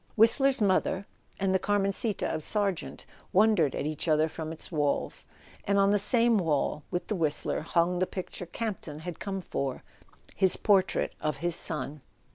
Whist¬ ler's Mother and the Carmencita of Sargent wondered at each other from its walls; and on the same wall with the Whistler hung the picture Campton had come for: his portrait of his son.